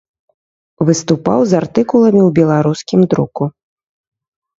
Выступаў з артыкуламі ў беларускім друку.